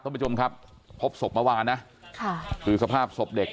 ท่านผู้ชมครับพบศพเมื่อวานนะค่ะคือสภาพศพเด็ก